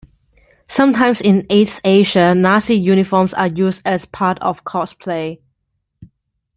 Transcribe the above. Sometimes in East Asia, Nazi uniforms are used as part of cosplay.